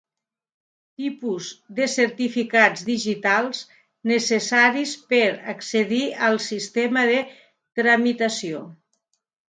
Tipus de certificats digitals necessaris per accedir al sistema de tramitació.